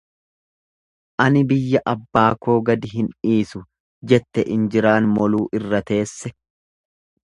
Ani biyya abbaa koo gad hin dhiisu, jette injiraan moluu irra teesse.